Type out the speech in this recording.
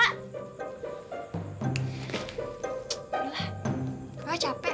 udah lah kak capek